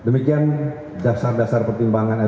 demikian dasar dasar pertimbangan